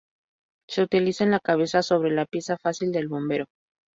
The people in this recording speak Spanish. Se utiliza en la cabeza sobre la pieza facial del bombero.